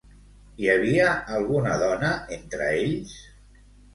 Hi havia alguna dona entre ells?